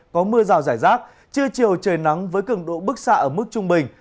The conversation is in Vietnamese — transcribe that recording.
có mưa rào rải rác trưa chiều trời nắng với cường độ bước xa ở mức trung bình